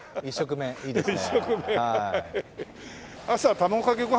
ないですね。